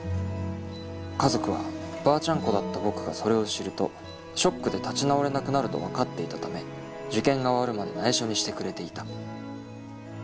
家族はばあちゃんっ子だった僕がそれを知るとショックで立ち直れなくなると分かっていたため受験が終わるまでないしょにしてくれていた。